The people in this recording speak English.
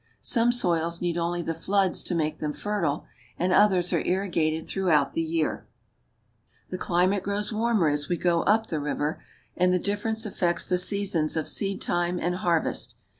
Some soils need only the floods to make them fertile and others are irrigated throughout the year. The climate grows warmer as we go up the river, and the difference affects the seasons of seedtime and harvest.